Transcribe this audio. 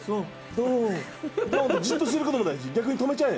じっとしてることも大事逆に止めちゃえ。